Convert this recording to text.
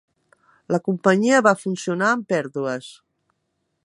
La companyia va funcionar amb pèrdues.